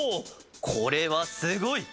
これはすごい！